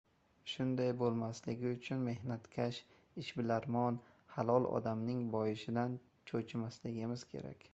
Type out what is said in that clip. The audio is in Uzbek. Shunday bo‘lmasligi uchun mehnatkash, ishbilarmon, halol odamning boyishidan cho‘chimasligimiz kerak.